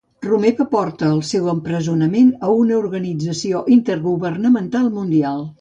Romeva porta el seu empresonament a una organització intergovernamental mundial